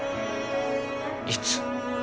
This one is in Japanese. いつ？